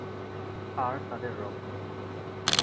আর তাদের রক্তে!